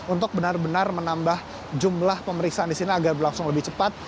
untuk benar benar menambah jumlah pemeriksaan disini agar langsung lebih cepat